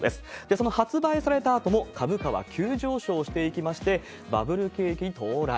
その発売されたあとも、株価は急上昇していきまして、バブル景気到来。